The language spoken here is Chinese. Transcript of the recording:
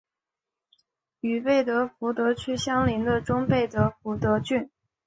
与贝德福德区相邻的中贝德福德郡。